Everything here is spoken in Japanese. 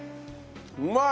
うまい！